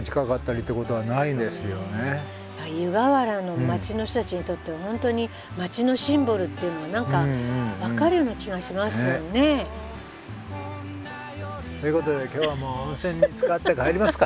湯河原の町の人たちにとっては本当に町のシンボルっていうのが何か分かるような気がしますよね。ということで今日はもう温泉につかって帰りますかね。